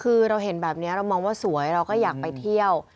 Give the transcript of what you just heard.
คือเราเห็นแบบนี้เรามองว่าสวยเราก็อยากไปเที่ยว